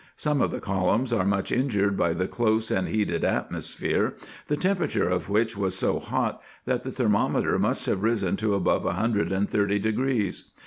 Some of the columns are much injured by the close and heated atmosphere, the temperature of which was so hot, that the thermometer must have risen to above a hundred and thirty degrees.